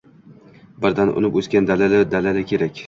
Birdan unib o‘sadigan, dadil-dadili kerak.